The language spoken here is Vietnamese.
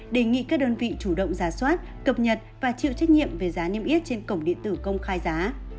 đề nghị các đơn vị chủ động giả soát cập nhật và chịu trách nhiệm về giá niêm yết trên cổng điện tử công khai giá